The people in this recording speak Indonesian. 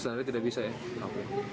standarnya tidak bisa ya